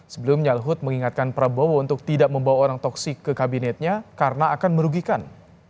sebelumnya luhut mengingatkan prabowo untuk tidak membawa orang toksik ke kabinetnya karena akan merugikan